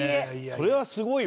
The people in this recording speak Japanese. それはすごいわ。